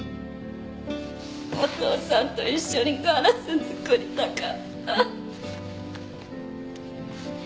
お父さんと一緒にガラス作りたかった！